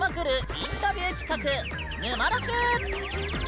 インタビュー企画「ぬまろく」！